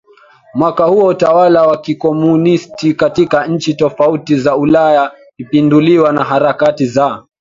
mwaka huo utawala wa Kikomunisti katika nchi tofauti za Ulaya ulipinduliwa na harakati za